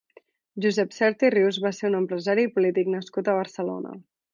Josep Sert i Rius va ser un empresari i polític nascut a Barcelona.